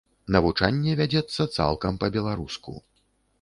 Навучанне вядзецца цалкам па-беларуску.